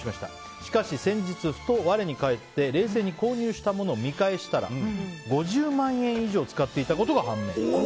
しかし先日、ふと我に返って冷静に購入したものを見返したら５０万円以上使っていたことが判明。